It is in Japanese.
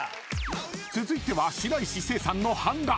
［続いては白石聖さんの版画］